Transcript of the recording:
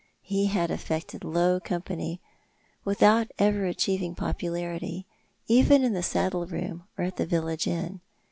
He had affected low company without ever achieving popularity, even in the saddle room or at the village inn.